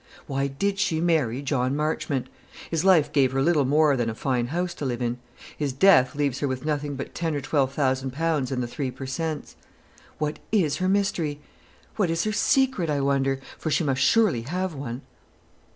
Why did she marry John Marchmont? His life gave her little more than a fine house to live in; his death leaves her with nothing but ten or twelve thousand pounds in the Three per Cents. What is her mystery what is her secret, I wonder? for she must surely have one."